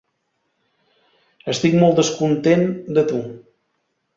Estic molt descontent de tu.